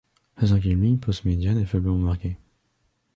La cinquième ligne postmediane est faiblement marquée.